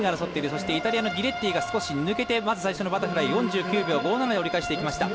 そしてイタリアのギレッティが少し抜けてまず最初のバタフライ４９秒５７で折り返していきました。